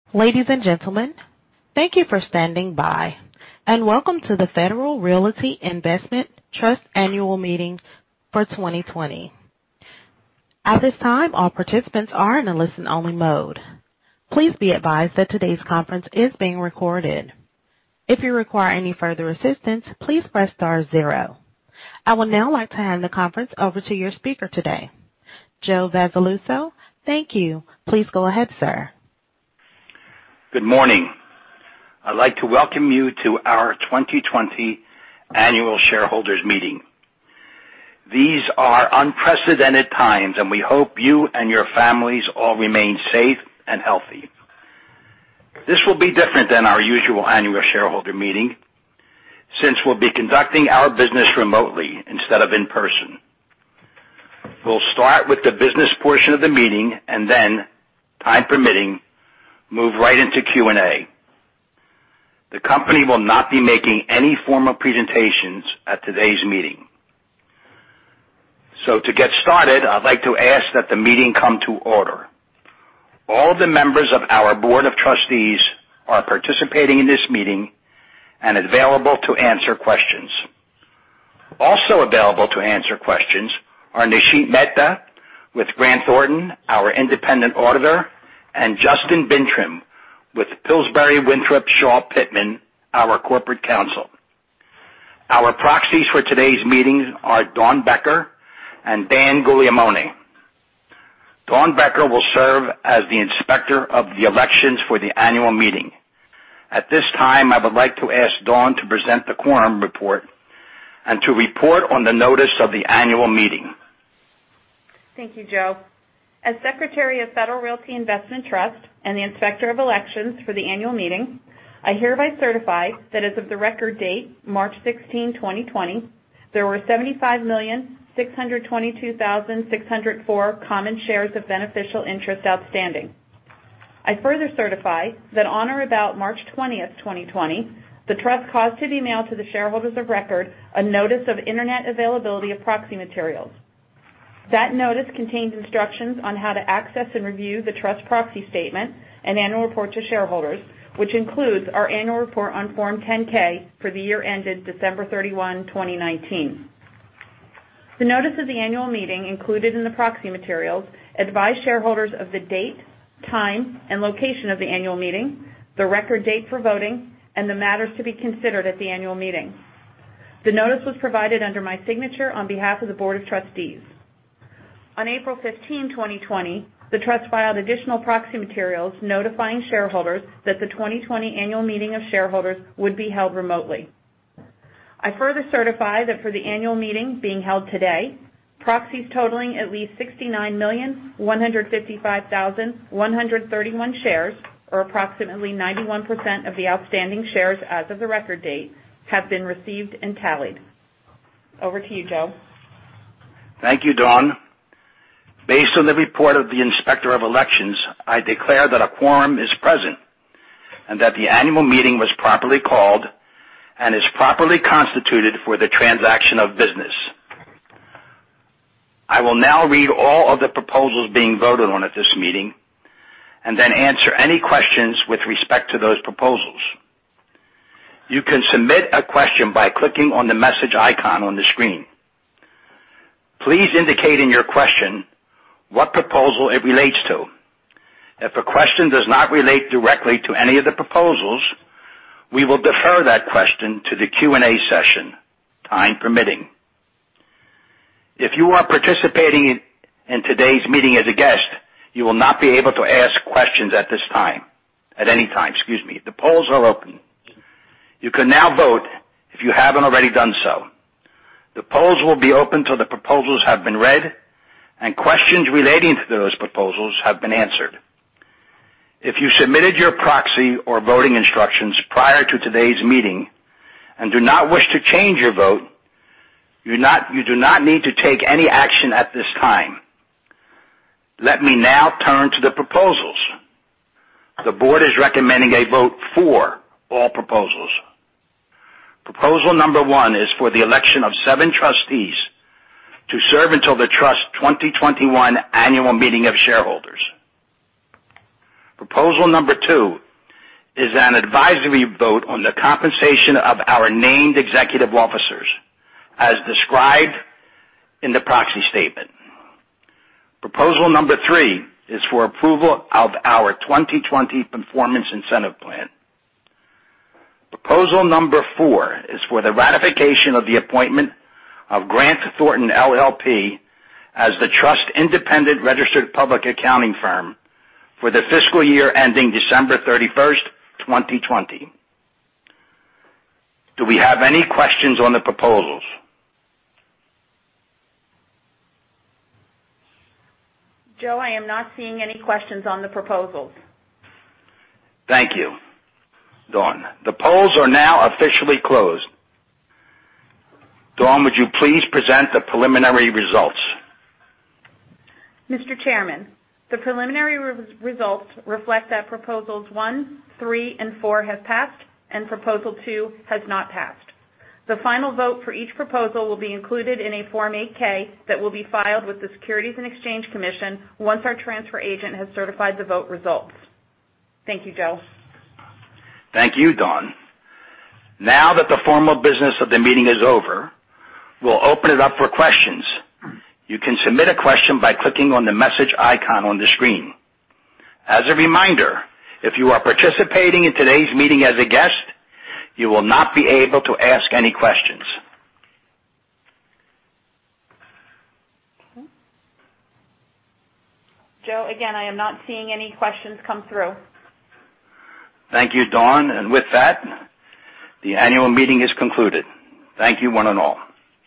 Ladies and gentlemen, thank you for standing by, and welcome to the Federal Realty Investment Trust Annual Meeting for 2020. At this time, all participants are in a listen-only mode. Please be advised that today's conference is being recorded. If you require any further assistance, please press star zero. I would now like to hand the conference over to your speaker today, Joe Vassalluzzo. Thank you. Please go ahead, sir. Good morning. I'd like to welcome you to our 2020 annual shareholders meeting. These are unprecedented times, and we hope you and your families all remain safe and healthy. This will be different than our usual annual shareholder meeting, since we'll be conducting our business remotely instead of in person. We'll start with the business portion of the meeting and then, time permitting, move right into Q&A. The company will not be making any formal presentations at today's meeting. To get started, I'd like to ask that the meeting come to order. All the members of our Board of Trustees are participating in this meeting and available to answer questions. Also available to answer questions are Nishit Mehta with Grant Thornton, our independent auditor, and Justin Bintrim with Pillsbury Winthrop Shaw Pittman, our corporate counsel. Our proxies for today's meetings are Dawn Becker and Dan Guglielmone. Dawn Becker will serve as the inspector of the elections for the annual meeting. At this time, I would like to ask Dawn to present the quorum report and to report on the notice of the annual meeting. Thank you, Joe. As Secretary of Federal Realty Investment Trust and the Inspector of Elections for the annual meeting, I hereby certify that as of the record date, March 16, 2020, there were 75,622,604 common shares of beneficial interest outstanding. I further certify that on or about March 20, 2020, the Trust caused to be mailed to the shareholders of record a Notice of Internet Availability of Proxy Materials. That notice contained instructions on how to access and review the Trust Proxy Statement and Annual Report to Shareholders, which includes our annual report on Form 10-K for the year ended December 31, 2019. The notice of the annual meeting included in the proxy materials advised shareholders of the date, time, and location of the annual meeting, the record date for voting, and the matters to be considered at the annual meeting. The notice was provided under my signature on behalf of the Board of Trustees. On April 15, 2020, the Trust filed additional proxy materials notifying shareholders that the 2020 annual meeting of shareholders would be held remotely. I further certify that for the annual meeting being held today, proxies totaling at least 69,155,131 shares, or approximately 91% of the outstanding shares as of the record date, have been received and tallied. Over to you, Joe. Thank you, Dawn. Based on the report of the Inspector of Elections, I declare that a quorum is present and that the annual meeting was properly called and is properly constituted for the transaction of business. I will now read all of the proposals being voted on at this meeting, and then answer any questions with respect to those proposals. You can submit a question by clicking on the message icon on the screen. Please indicate in your question what proposal it relates to. If a question does not relate directly to any of the proposals, we will defer that question to the Q&A session, time permitting. If you are participating in today's meeting as a guest, you will not be able to ask questions at this time. At any time, excuse me. The polls are open. You can now vote if you haven't already done so. The polls will be open till the proposals have been read and questions relating to those proposals have been answered. If you submitted your proxy or voting instructions prior to today's meeting and do not wish to change your vote, you do not need to take any action at this time. Let me now turn to the proposals. The board is recommending a vote for all proposals. Proposal number one is for the election of seven trustees to serve until the Trust 2021 Annual Meeting of Shareholders. Proposal number two is an advisory vote on the compensation of our named executive officers, as described in the proxy statement. Proposal number three is for approval of our 2020 Performance Incentive Plan. Proposal number four is for the ratification of the appointment of Grant Thornton LLP as the Trust's independent registered public accounting firm for the fiscal year ending December 31st, 2020. Do we have any questions on the proposals? Joe, I am not seeing any questions on the proposals. Thank you, Dawn. The polls are now officially closed. Dawn, would you please present the preliminary results? Mr. Chairman, the preliminary results reflect that proposals one, three, and four have passed and proposal two has not passed. The final vote for each proposal will be included in a Form 8-K that will be filed with the Securities and Exchange Commission once our transfer agent has certified the vote results. Thank you, Joe. Thank you, Dawn. Now that the formal business of the meeting is over, we'll open it up for questions. You can submit a question by clicking on the message icon on the screen. As a reminder, if you are participating in today's meeting as a guest, you will not be able to ask any questions. Joe, again, I am not seeing any questions come through. Thank you, Dawn. With that, the annual meeting is concluded. Thank you one and all.